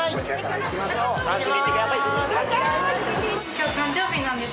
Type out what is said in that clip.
今日誕生日なんです。